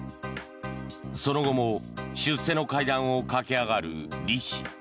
その後も出世の階段を駆け上がるリ氏。